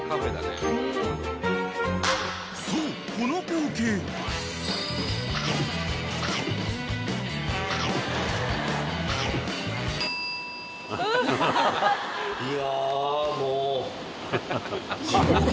［そうこの光景］いやもう。